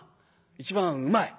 一番うまい。